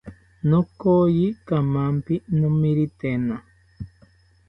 Nokoyi kamanpi nomiritena